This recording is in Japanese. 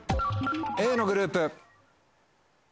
Ａのグループ。